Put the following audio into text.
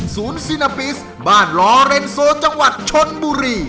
ซีนาปิสบ้านลอเรนโซจังหวัดชนบุรี